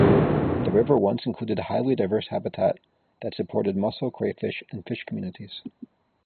The river once included highly diverse habitat that supported mussel, crayfish, and fish communities.